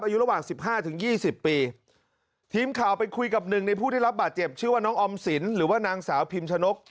อายุระหว่างสิบห้าถึงยี่สิบปีทีมข่าวไปคุยกับหนึ่งในผู้ได้รับบาดเจ็บชื่อว่าน้องออมสินหรือว่านางสาวพิมชนก